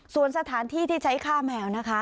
ส่วนสถานที่ที่ใช้ฆ่าแมวนะคะ